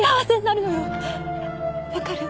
わかる？